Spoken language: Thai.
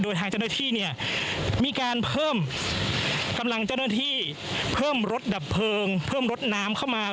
โดยทางเจ้าหน้าที่เนี่ยมีการเพิ่มกำลังเจ้าหน้าที่เพิ่มรถดับเพลิงเพิ่มรถน้ำเข้ามา